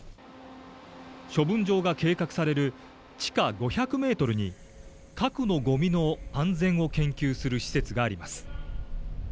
処分場が計画される地下５００メートルに、核のごみの安全を研究する施設があります。